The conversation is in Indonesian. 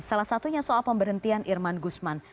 salah satunya soal pemberhentian irman gusman